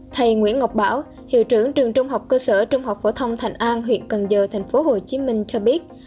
thầy nguyễn ngọc bảo hiệu trưởng trường trung học cơ sở trung học phổ thông thành an huyện cần giờ tp hcm cho biết